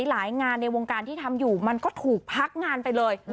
งานในวงการที่ทำอยู่มันก็ถูกพักงานไปเลย